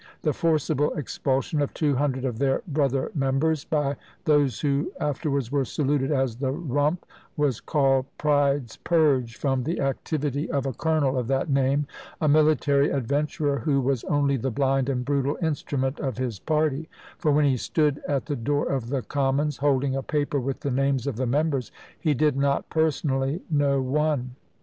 The forcible expulsion of two hundred of their brother members, by those who afterwards were saluted as "The Rump," was called "Pride's Purge," from the activity of a colonel of that name, a military adventurer, who was only the blind and brutal instrument of his party; for when he stood at the door of the Commons, holding a paper with the names of the members, he did not personally know one!